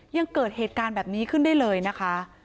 ยังเกิดเหตุการณ์แบบนี้ขึ้นได้เลยนะคะ